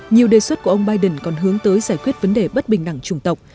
nhiều đề xuất của ông biden còn hướng tới giải quyết vấn đề bất bình đẳng trùng tộc